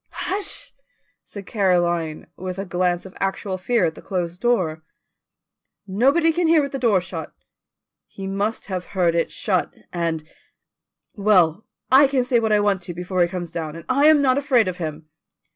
"Hush!" said Caroline, with a glance of actual fear at the closed door. "Nobody can hear with the door shut." "He must have heard it shut, and " "Well, I can say what I want to before he comes down, and I am not afraid of him."